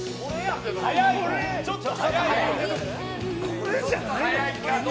これじゃないの。